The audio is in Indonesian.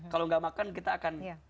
kalau nggak makan kita akan